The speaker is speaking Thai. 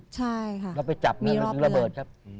ใช่ค่ะมีรอบเดือน